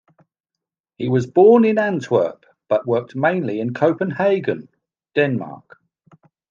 He was born in Antwerp but worked mainly in Copenhagen, Denmark.